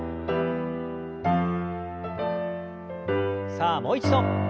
さあもう一度。